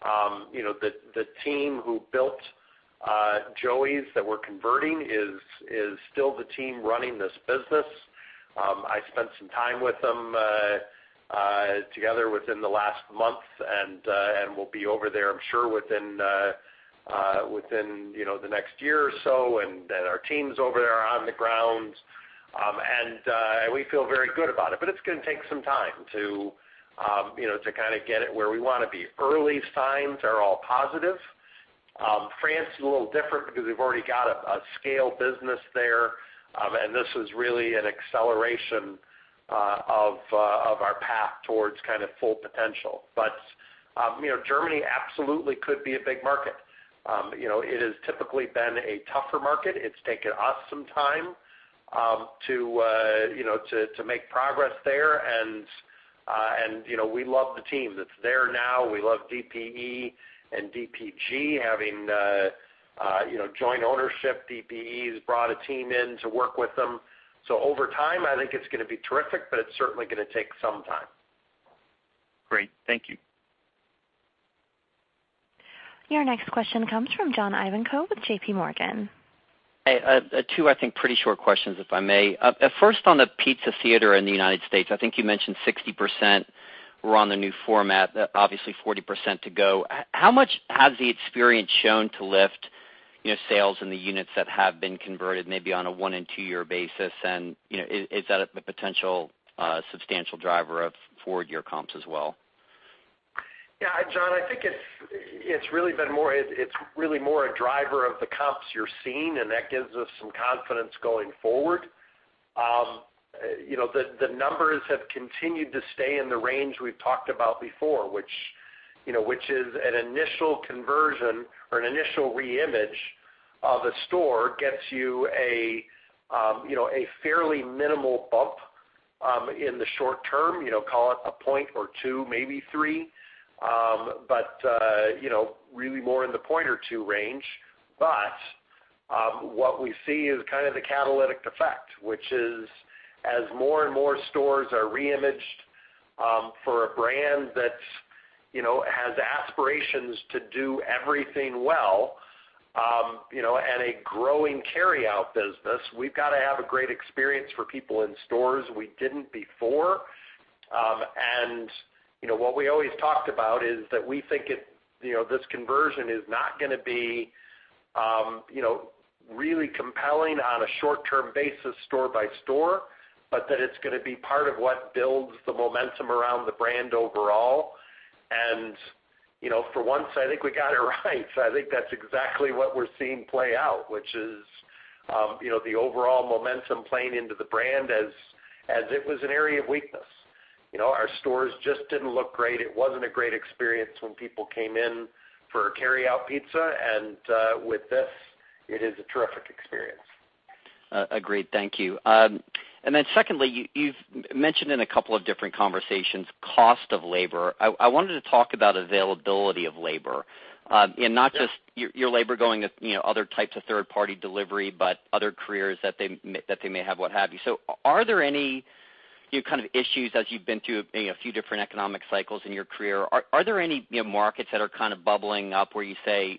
The team who built Joey's that we're converting is still the team running this business. I spent some time with them together within the last month, and will be over there, I'm sure, within the next year or so, and our team's over there on the ground. We feel very good about it, but it's going to take some time to kind of get it where we want to be. Early signs are all positive. France is a little different because we've already got a scale business there, and this is really an acceleration of our path towards kind of full potential. Germany absolutely could be a big market. It has typically been a tougher market. It's taken us some time to make progress there and we love the team that's there now. We love DPE and DPG having joint ownership. DPE has brought a team in to work with them. Over time, I think it's going to be terrific, but it's certainly going to take some time. Great. Thank you. Your next question comes from John Ivankoe with JPMorgan. Hey. Two, I think, pretty short questions, if I may. First, on the Pizza Theater in the United States, I think you mentioned 60% were on the new format, obviously 40% to go. How much has the experience shown to lift sales in the units that have been converted, maybe on a one and two year basis? And is that a potential substantial driver of forward year comps as well? Yeah, John, I think it's really more a driver of the comps you're seeing, and that gives us some confidence going forward. The numbers have continued to stay in the range we've talked about before, which is an initial conversion or an initial re-image of a store gets you a fairly minimal bump in the short term, call it a point or two, maybe three. But really more in the point or two range. But what we see is kind of the catalytic effect, which is as more and more stores are re-imaged for a brand that has aspirations to do everything well, and a growing carryout business, we've got to have a great experience for people in stores we didn't before. And what we always talked about is that we think this conversion is not going to be really compelling on a short-term basis store by store, but that it's going to be part of what builds the momentum around the brand overall. For once, I think we got it right. I think that's exactly what we're seeing play out, which is the overall momentum playing into the brand as it was an area of weakness. Our stores just didn't look great. It wasn't a great experience when people came in for a carryout pizza. With this, it is a terrific experience. Agreed. Thank you. secondly, you've mentioned in a couple of different conversations, cost of labor. I wanted to talk about availability of labor. not just your labor going to other types of third-party delivery, but other careers that they may have, what have you. are there any kind of issues as you've been through a few different economic cycles in your career, are there any markets that are kind of bubbling up where you say,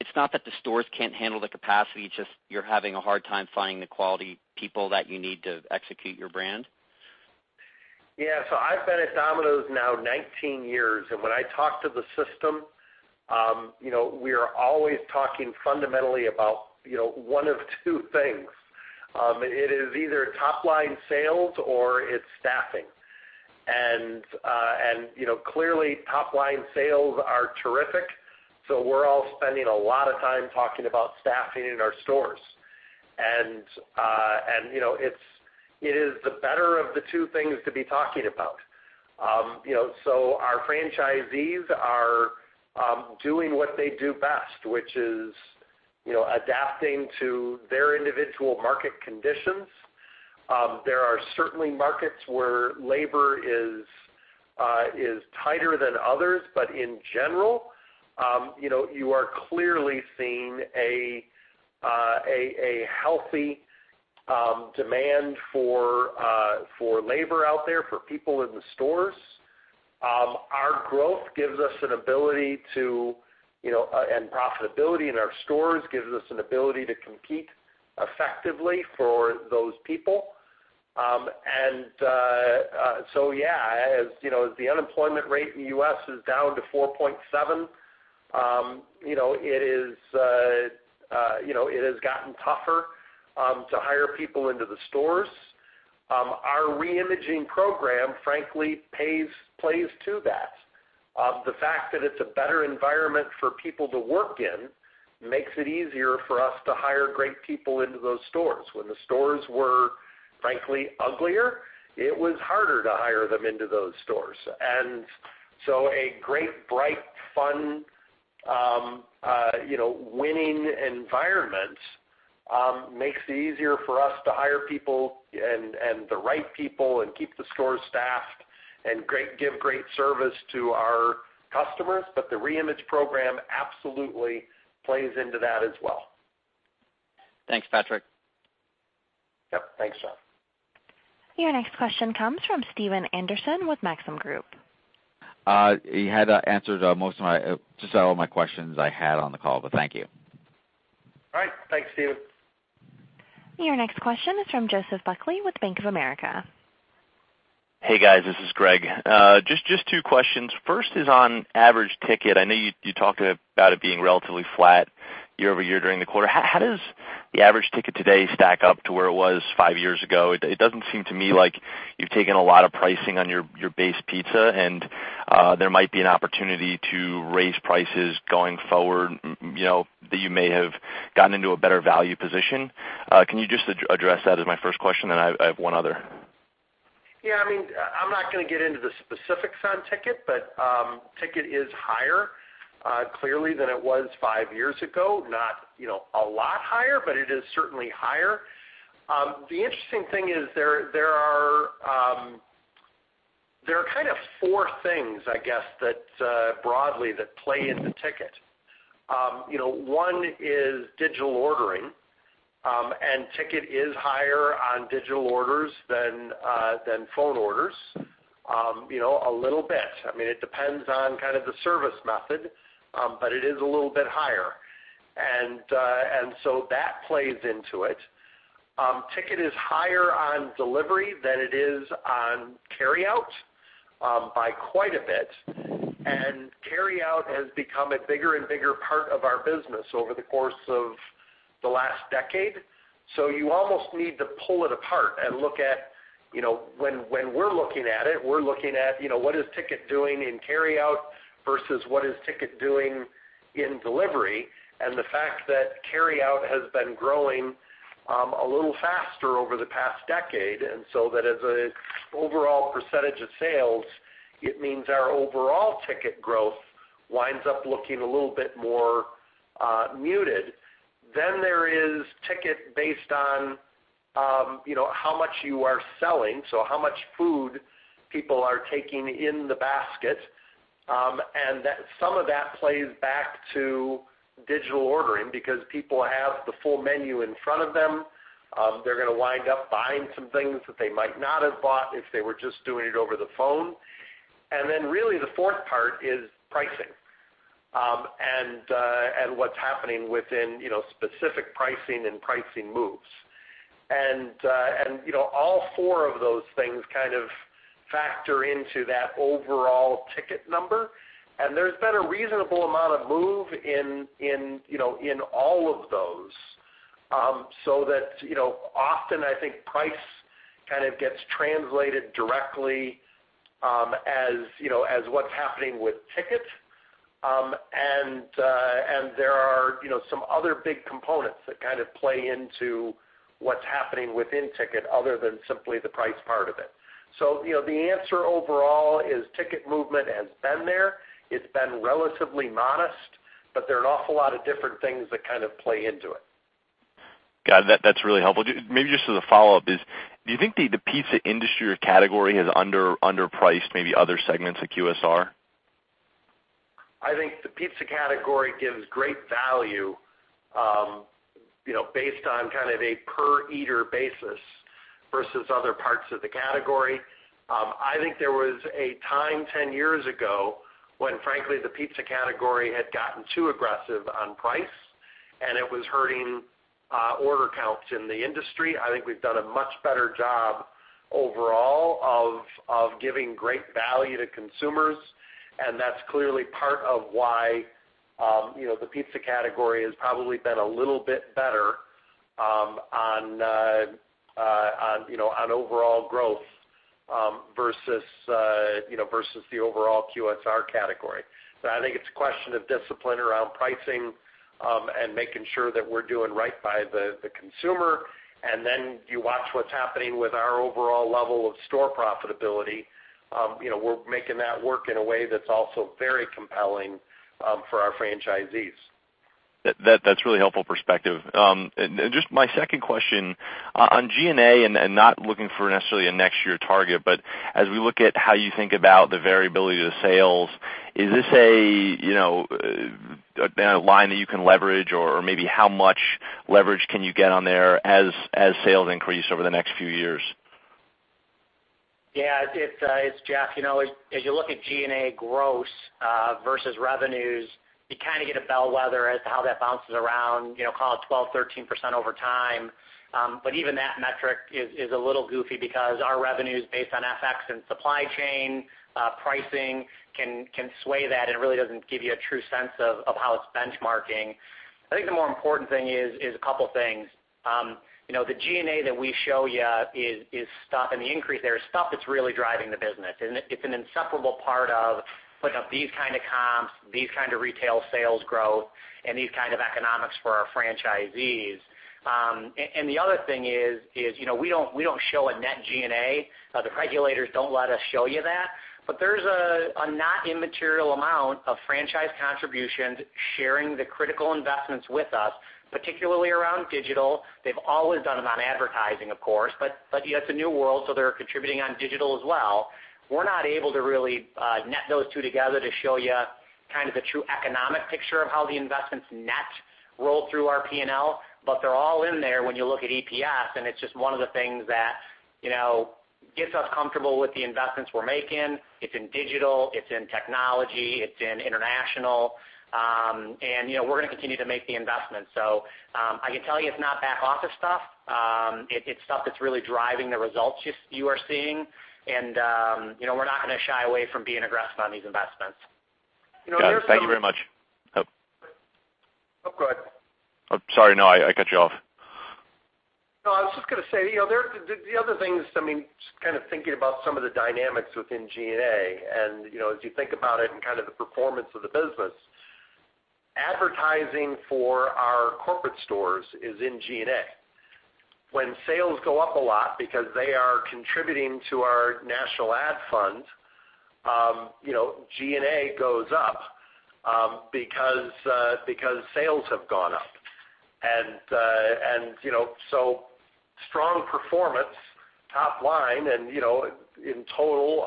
it's not that the stores can't handle the capacity, it's just you're having a hard time finding the quality people that you need to execute your brand? Yeah. I've been at Domino's now 19 years, and when I talk to the system, we are always talking fundamentally about one of two things. It is either top-line sales or it's staffing. clearly, top-line sales are terrific, so we're all spending a lot of time talking about staffing in our stores. it is the better of the two things to be talking about. our franchisees are doing what they do best, which is adapting to their individual market conditions. There are certainly markets where labor is tighter than others, but in general, you are clearly seeing a healthy demand for labor out there, for people in the stores. Our growth gives us an ability to, and profitability in our stores gives us an ability to compete effectively for those people. yeah, as the unemployment rate in the U.S. is down to 4.7, it has gotten tougher to hire people into the stores. Our re-imaging program, frankly, plays to that. The fact that it's a better environment for people to work in makes it easier for us to hire great people into those stores. When the stores were, frankly, uglier, it was harder to hire them into those stores. a great, bright, fun winning environment makes it easier for us to hire people and the right people, and keep the stores staffed and give great service to our customers. the re-image program absolutely plays into that as well. Thanks, Patrick. Yep. Thanks, John. Your next question comes from Stephen Anderson with Maxim Group. You had answered just all my questions I had on the call, but thank you. All right. Thanks, Stephen. Your next question is from Joseph Buckley with Bank of America. Hey, guys, this is Greg. Just two questions. First is on average ticket. I know you talked about it being relatively flat year-over-year during the quarter. How does the average ticket today stack up to where it was five years ago? It doesn't seem to me like you've taken a lot of pricing on your base pizza, and there might be an opportunity to raise prices going forward, that you may have gotten into a better value position. Can you just address that as my first question, and I have one other. Yeah. I'm not going to get into the specifics on ticket, but ticket is higher, clearly, than it was five years ago. Not a lot higher, but it is certainly higher. The interesting thing is there are kind of four things, I guess, that broadly that play into ticket. One is digital ordering. ticket is higher on digital orders than phone orders, a little bit. It depends on kind of the service method, but it is a little bit higher. that plays into it. Ticket is higher on delivery than it is on carryout by quite a bit, and carryout has become a bigger and bigger part of our business over the course of the last decade. you almost need to pull it apart and look at When we're looking at it, we're looking at what is ticket doing in carryout versus what is ticket doing in delivery, and the fact that carryout has been growing a little faster over the past decade. that as an overall percentage of sales, it means our overall ticket growth winds up looking a little bit more muted. there is ticket based on how much you are selling, so how much food people are taking in the basket. some of that plays back to digital ordering because people have the full menu in front of them. They're going to wind up buying some things that they might not have bought if they were just doing it over the phone. really the fourth part is pricing, and what's happening within specific pricing and pricing moves. all four of those things kind of factor into that overall ticket number. there's been a reasonable amount of move in all of those, so that often I think price kind of gets translated directly as what's happening with ticket. there are some other big components that kind of play into what's happening within ticket other than simply the price part of it. the answer overall is ticket movement has been there. It's been relatively modest, but there are an awful lot of different things that kind of play into it. Got it. That's really helpful. Maybe just as a follow-up is, do you think the pizza industry or category has underpriced maybe other segments of QSR? I think the pizza category gives great value based on kind of a per-eater basis versus other parts of the category. I think there was a time 10 years ago when, frankly, the pizza category had gotten too aggressive on price and it was hurting order counts in the industry. I think we've done a much better job overall of giving great value to consumers, and that's clearly part of why the pizza category has probably been a little bit better on overall growth versus the overall QSR category. I think it's a question of discipline around pricing, and making sure that we're doing right by the consumer. You watch what's happening with our overall level of store profitability. We're making that work in a way that's also very compelling for our franchisees. That's really helpful perspective. just my second question, on G&A, and not looking for necessarily a next year target, but as we look at how you think about the variability of the sales, is this a line that you can leverage, or maybe how much leverage can you get on there as sales increase over the next few years? Yeah. Jeff, as you look at G&A gross versus revenues, you kind of get a bellwether as to how that bounces around, call it 12, 13% over time. Even that metric is a little goofy because our revenues based on FX and supply chain pricing can sway that, and it really doesn't give you a true sense of how it's benchmarking. I think the more important thing is a couple things. The G&A that we show you and the increase there is stuff that's really driving the business. It's an inseparable part of putting up these kind of comps, these kind of retail sales growth, and these kind of economics for our franchisees. The other thing is we don't show a net G&A. The regulators don't let us show you that. There's a not immaterial amount of franchise contributions sharing the critical investments with us, particularly around digital. They've always done it on advertising, of course, but it's a new world, so they're contributing on digital as well. We're not able to really net those two together to show you kind of the true economic picture of how the investments net roll through our P&L, but they're all in there when you look at EPS, and it's just one of the things that gets us comfortable with the investments we're making. It's in digital, it's in technology, it's in international. We're going to continue to make the investments. I can tell you it's not back office stuff. It's stuff that's really driving the results you are seeing. We're not going to shy away from being aggressive on these investments. Got it. Thank you very much. Oh, go ahead. Sorry. No, I cut you off. No, I was just going to say, the other thing is, just kind of thinking about some of the dynamics within G&A, and as you think about it and kind of the performance of the business, advertising for our corporate stores is in G&A. When sales go up a lot because they are contributing to our national ad fund, G&A goes up because sales have gone up. strong performance top line, and in total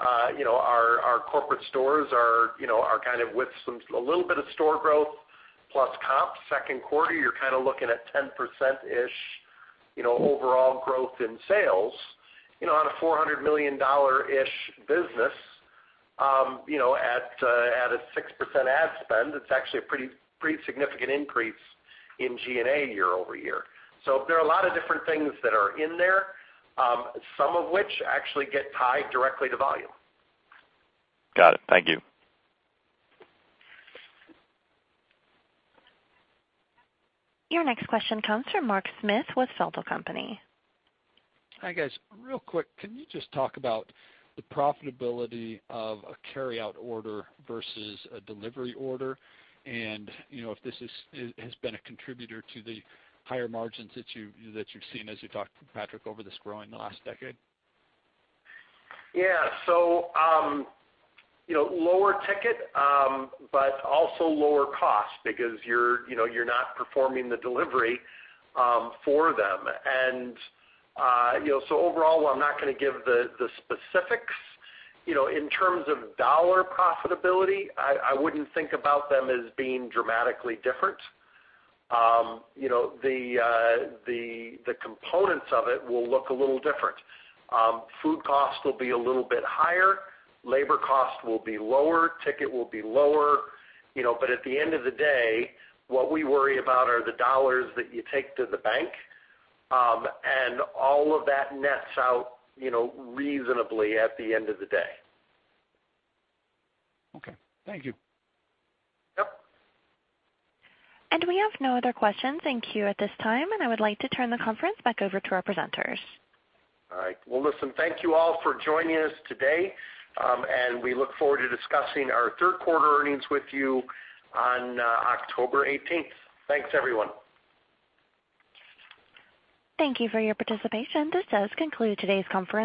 our corporate stores are kind of with a little bit of store growth plus comp. Second quarter, you're kind of looking at 10%-ish overall growth in sales on a $400 million-ish business at a 6% ad spend. It's actually a pretty significant increase in G&A year-over-year. there are a lot of different things that are in there, some of which actually get tied directly to volume. Got it. Thank you. Your next question comes from Mark Smith with Stifel. Hi, guys. Real quick, can you just talk about the profitability of a carryout order versus a delivery order and if this has been a contributor to the higher margins that you've seen as you talked to Patrick over this growing the last decade? lower ticket, but also lower cost because you're not performing the delivery for them. overall, while I'm not going to give the specifics, in terms of dollar profitability, I wouldn't think about them as being dramatically different. The components of it will look a little different. Food costs will be a little bit higher, labor costs will be lower, ticket will be lower. at the end of the day, what we worry about are the dollars that you take to the bank, and all of that nets out reasonably at the end of the day. Okay. Thank you. Yep. we have no other questions in queue at this time, and I would like to turn the conference back over to our presenters. All right. Well, listen, thank you all for joining us today, and we look forward to discussing our third quarter earnings with you on October 18th. Thanks, everyone. Thank you for your participation. This does conclude today's conference.